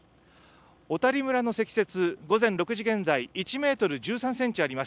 小谷村の積雪、午前６時現在、１メートル１３センチあります。